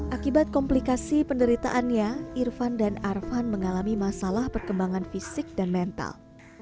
akibat komplikasi penderitaannya irfan dan arvan mengalami masalah perkembangan fisik dan mental